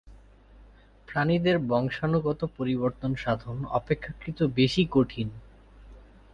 প্রাণীদের বংশাণুগত পরিবর্তন সাধন অপেক্ষাকৃত বেশি কঠিন।